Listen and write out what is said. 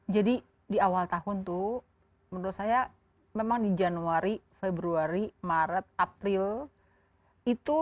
jadi di awal tahun itu menurut saya memang di januari februari maret april itu sampai dengan awal mei gitu ya